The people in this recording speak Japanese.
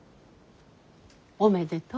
おめでとう。